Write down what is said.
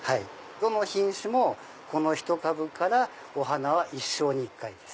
どの品種もこのひと株からお花は一生に１回です。